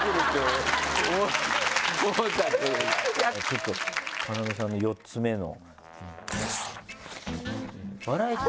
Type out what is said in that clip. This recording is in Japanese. ちょっと要さんの４つ目の。